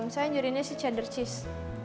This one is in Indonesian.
saya anjurinnya sih cheddar cheese